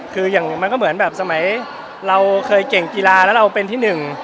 คืออย่างมันก็เหมือนแบบสมัยเราเคยเก่งกีฬาแล้วเราเป็นที่หนึ่ง